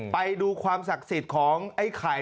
ไปดูความศักดิ์สิทธิ์ของไอ้ไข่